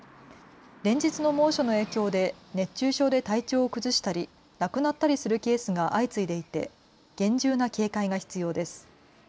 連日の猛暑の影響で熱中症で体調を崩したり亡くなったりするケースが相次いでいて厳重な警戒が必要です。